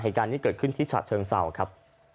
เหตุการณ์นี้เกิดขึ้นที่ฉะเชิงเศร้าครับ